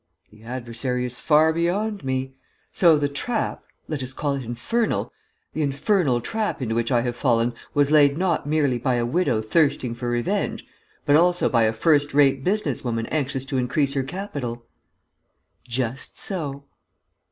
"The adversary is far beyond me. So the trap let us call it infernal the infernal trap into which I have fallen was laid not merely by a widow thirsting for revenge, but also by a first rate business woman anxious to increase her capital?" "Just so."